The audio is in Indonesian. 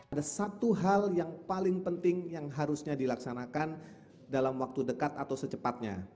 ada satu hal yang paling penting yang harusnya dilaksanakan dalam waktu dekat atau secepatnya